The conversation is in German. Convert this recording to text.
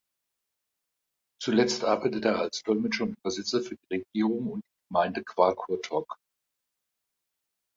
Zuletzt arbeitete er als Dolmetscher und Übersetzer für die Regierung und die Gemeinde Qaqortoq.